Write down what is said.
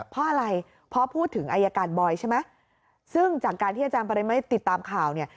เพราะอะไรเพราะพูดถึงอายการบอยใช่ไหมซึ่งจากการที่อาจารย์ปริเมฆติดตามข่าวเนี่ย